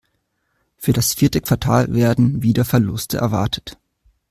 Für das vierte Quartal werden wieder Verluste erwartet.